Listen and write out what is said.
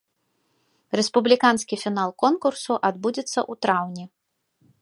Рэспубліканскі фінал конкурсу адбудзецца ў траўні.